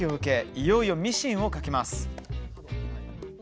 いよいよミシンをかけます。